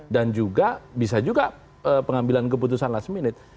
dan juga bisa juga pengambilan keputusan last minute